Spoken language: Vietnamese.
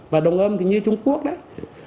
và đồng âm thì như trung quốc đấy